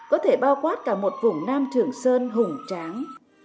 có thể bao quát cả một vùng nam trường sơn hùng tráng